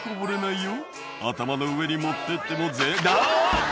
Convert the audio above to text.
「頭の上に持ってってもぜあぁ！